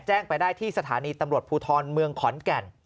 ไปได้ที่สถานีตำรวจภูทรเมืองขอนแก่น